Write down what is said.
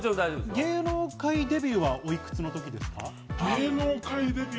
芸能界デビューはおいくつの時ですか？